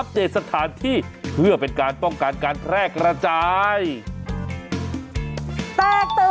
ไปครับ